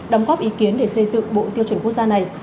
đóng góp ý kiến để xây dựng bộ tiêu chuẩn quốc gia này